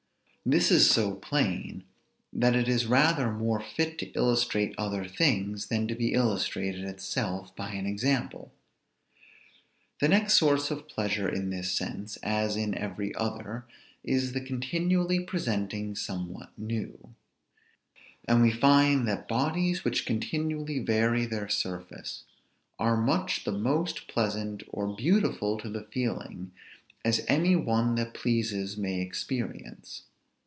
This is so plain, that it is rather more fit to illustrate other things, than to be illustrated itself by an example. The next source of pleasure in this sense, as in every other, is the continually presenting somewhat new; and we find that bodies which continually vary their surface, are much the most pleasant or beautiful to the feeling, as any one that pleases may experience.